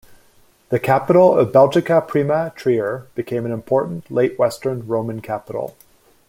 The capital of Belgica Prima, Trier, became an important late western Roman capital.